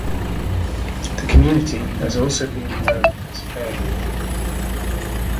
The community has also been known as Fairview.